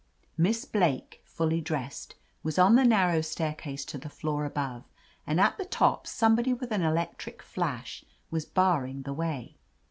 Miss Blake, fully dressed, was on the nar row staircase to the floor above, and at the top somebody with an electric flash was bar ring the way.